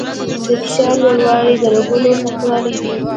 د فشار لوړوالی د رګونو سختوالي دی.